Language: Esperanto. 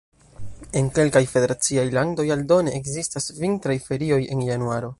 En kelkaj federaciaj landoj aldone ekzistas vintraj ferioj en januaro.